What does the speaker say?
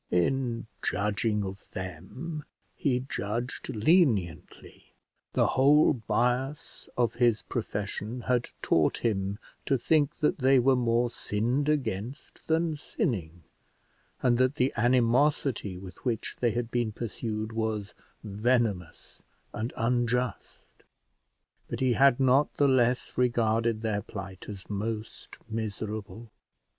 In judging of them, he judged leniently; the whole bias of his profession had taught him to think that they were more sinned against than sinning, and that the animosity with which they had been pursued was venomous and unjust; but he had not the less regarded their plight as most miserable.